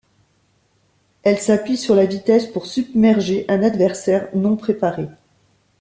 Elle s'appuie sur la vitesse pour submerger un adversaire non-préparé.